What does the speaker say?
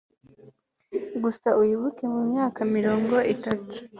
gusa wibuke mumyaka mirongo itatu